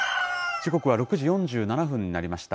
時刻は６時４７分になりました。